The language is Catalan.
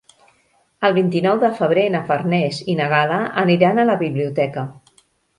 El vint-i-nou de febrer na Farners i na Gal·la aniran a la biblioteca.